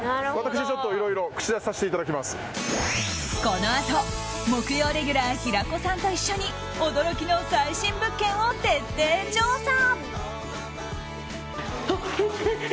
このあと木曜レギュラー平子さんと一緒に驚きの最新物件を徹底調査。